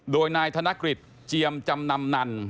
โดยนายธนกฤษเจียมจำนำนัน